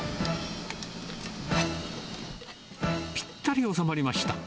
ぴったり収まりました。